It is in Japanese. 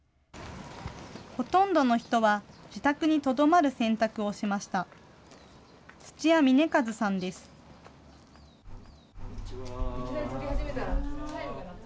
ほとんどの人は、自宅にとどまる選択をしました。